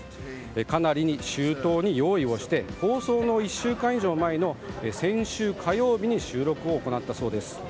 かなり周到に用意をして放送の１週間以上前の先週火曜日に収録を行ったそうです。